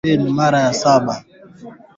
Kuzingatia ushauri wa wataalamu wa tiba za mifugo